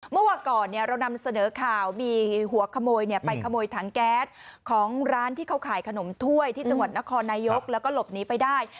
เมื่อวาก่อนเรานำเสนอข่าวมีหัวขโมยไปขโมยถังแก๊สของร้านที่เขาขายขนมถ้วยที่จังหวัดนครนายกแล้วก็หลบหนีไปได้